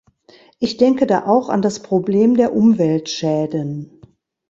Ich denke da auch an das Problem der Umweltschäden.